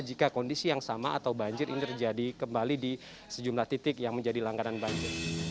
jika kondisi yang sama atau banjir ini terjadi kembali di sejumlah titik yang menjadi langganan banjir